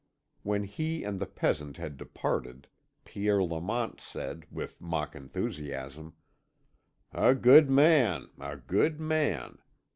When he and the peasant had departed, Pierre Lamont said, with mock enthusiasm: "A good man! a good man!